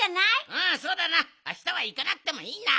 うんそうだなあしたはいかなくてもいいな。